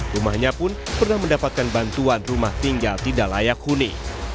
rumahnya pun pernah mendapatkan bantuan rumah tinggal tidak layak huni